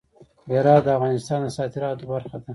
هرات د افغانستان د صادراتو برخه ده.